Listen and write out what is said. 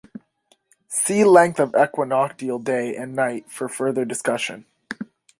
See Length of equinoctial day and night for further discussion.